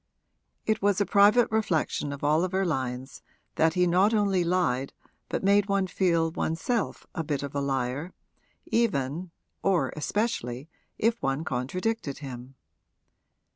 It was a private reflection of Oliver Lyon's that he not only lied but made one feel one's self a bit of a liar, even (or especially) if one contradicted him.